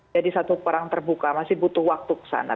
jadi satu perang terbuka masih butuh waktu kesana